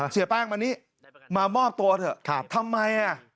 เสียแป้งวันนี้มามอบตัวเถอะทำไมอ่ะ